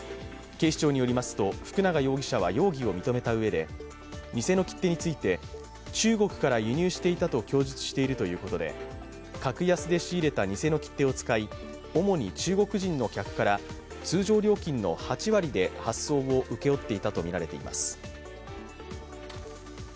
警視庁によりますと福永容疑者は容疑を認めたうえで偽の切手について、中国から輸入していたと供述しているということで格安で仕入れた偽の切手を使い、主に中国人の客から通常料金の８割で請け負っていたとみられています。